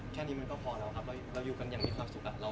แค่นี้มันก็พอแล้วครับเรายู่กันยังมีความสุขเราพอแล้ว